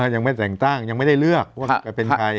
ยังไม่แต่งตั้งยังไม่ได้เลือกว่าจะเป็นใคร